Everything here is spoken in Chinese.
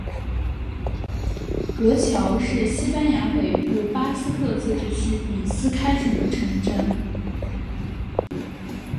格乔是西班牙北部巴斯克自治区比斯开省的城镇。